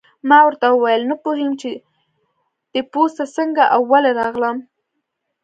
ما ورته وویل: نه پوهېږم چې دې پوځ ته څنګه او ولې راغلم.